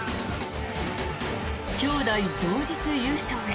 兄妹同日優勝へ。